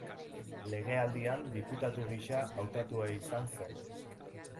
Legealdian diputatu gisa hautatua izan zen.